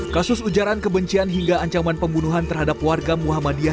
kasus ujaran kebencian hingga ancaman pembunuhan terhadap warga muhammadiyah